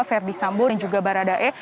verdi sambo dan juga baradae